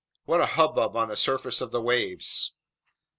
What a hubbub on the surface of the waves!